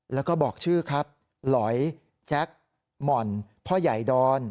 แล้วก็บอกชื่อครับหลอยแจ็คหม่อนพ่อใหญ่ดอน